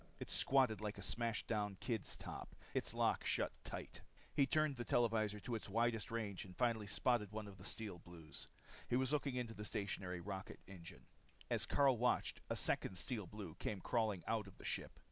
It squatted like a smashed down kid's top, its lock shut tight. He tuned the televisor to its widest range and finally spotted one of the Steel Blues. He was looking into the stationary rocket engine. As Karyl watched, a second Steel Blue came crawling out of the ship.